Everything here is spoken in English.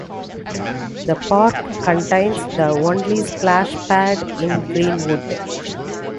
The park contains the only splash pad in Greenwood.